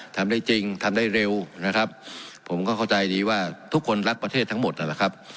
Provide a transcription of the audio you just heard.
ทำได้จริงทำได้เร็วนะครับผมก็เข้าใจดีว่าทุกคนรักประเทศทั้งหมดนั่นแหละครับ